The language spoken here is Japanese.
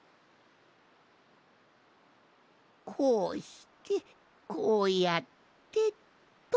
こうしてこうやってっと。